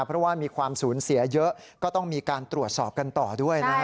เพราะว่ามีความสูญเสียเยอะก็ต้องมีการตรวจสอบกันต่อด้วยนะครับ